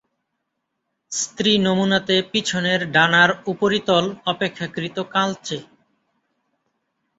স্ত্রী নমুনাতে পিছনের ডানার উপরিতল অপেক্ষাকৃত কালচে।